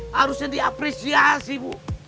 harusnya diapresiasi bu